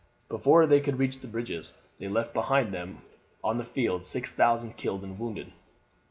Before they could reach the bridges they left behind them on the field six thousand killed and wounded.